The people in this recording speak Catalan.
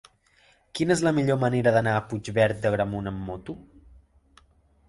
Quina és la millor manera d'anar a Puigverd d'Agramunt amb moto?